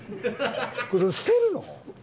これ捨てるの？